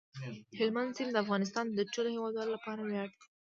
هلمند سیند د افغانستان د ټولو هیوادوالو لپاره ویاړ دی.